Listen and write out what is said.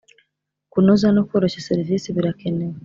Kunoza no koroshya serivisi birakenewe